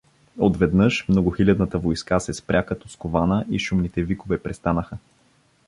Отведнъж многохилядната войска се спря като скована и шумните викове престанаха.